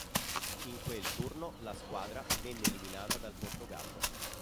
In quel turno, la squadra venne eliminata dal Portogallo.